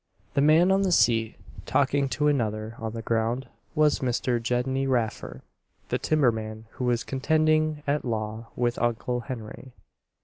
The man on the seat, talking to another on the ground, was Mr. Gedney Raffer, the timberman who was contending at law with Uncle Henry.